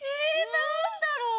なんだろう。